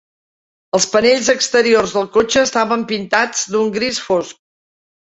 Els panells exteriors del cotxe estaven pintats d'un gris fosc.